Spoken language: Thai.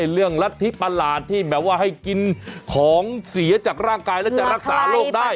ฤทธิปราณที่แหมวกว่าให้กินของเสียจากร่างกายแล้วจะรักษาโลกได้